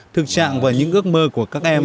thực trạng và những ước mơ của các em